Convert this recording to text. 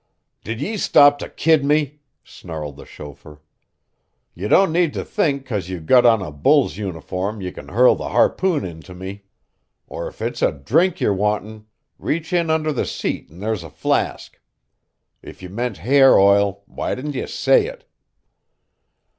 "Did ye stop me to kid me?" snarled the chauffeur. "Ye don't need to think 'cause you got on a bull's uniform ye can hurl the harpoon into me. Or if it's a drink ye're wantin' reach in under the seat an' there's a flask. If ye meant hair oil why didn't ye say it?"